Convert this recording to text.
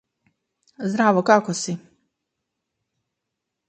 Здраво. Како си?